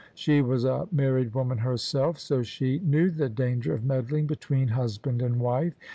She was a married woman herself, so she knew the danger of meddling between husband and wife.